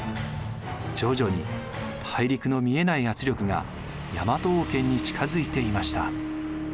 徐々に大陸の見えない圧力が大和王権に近づいていました。